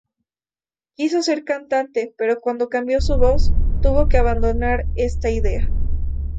Quiso ser cantante, pero cuando cambió su voz tuvo que abandonar esta idea.